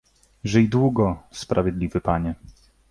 "żyj długo, sprawiedliwy panie!"